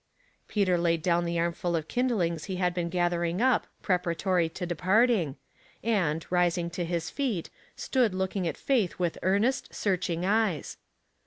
" Peter laid down the armful of kindlings he had been gathering up preparatory to departing, and, rising to his feet, stood looking at Faith with earnest, searching eyes.